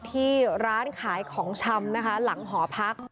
ที่ร้านขายของชำนะคะหลังหอพัก